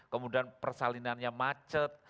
kemudian persalinannya macet